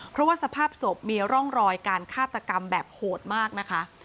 เพราะว่าสภาพศพมีร่องรอยการฆาตกรรมแบบโหดมากนะคะ